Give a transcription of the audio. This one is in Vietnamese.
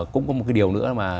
cũng có một cái điều nữa là